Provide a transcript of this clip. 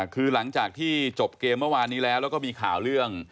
คือหลังจากที่จบเกมเมื่อวานนี้แล้วแล้วก็มีข่าวเรื่อง